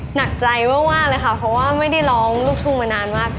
หนักใจมากเลยค่ะเพราะว่าไม่ได้ร้องลูกทุ่งมานานมาก